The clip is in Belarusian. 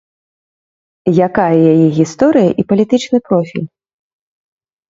Якая яе гісторыя і палітычны профіль?